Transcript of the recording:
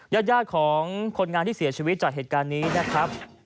ญาติของคนงานที่เสียชีวิตจากเหตุการณ์นี้นะครับ